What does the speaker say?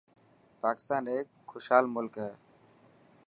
پاڪستان هيڪ خوشحال ملڪ هي.